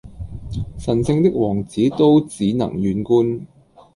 神聖的王子都只能遠觀！